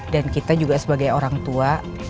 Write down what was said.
dan kita juga sebagai orang tua